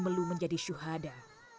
melu menjadi syuhada